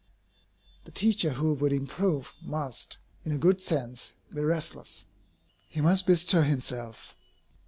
The teacher who would improve must, in a good sense, be restless. He must bestir himself.